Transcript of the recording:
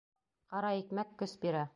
Ҡара икмәк көс бирә